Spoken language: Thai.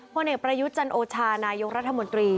พวกนี้พระยุทธจันโอชานายกราธมนตรี